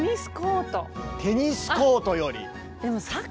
テニスコートより？